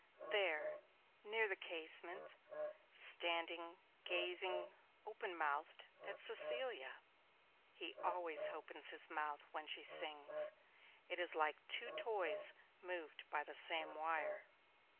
'There! Near the casement, standing gazing open mouthed at Cecilia. He always opens his mouth when she sings. It is like two toys moved by the same wire.'